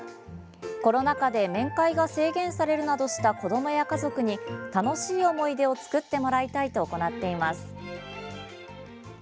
コロナ禍で面会が制限されるなどした子どもや家族に、楽しい思い出を作ってもらいたいと行っています。